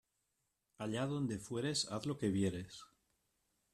Allá donde fueres, haz lo que vieres.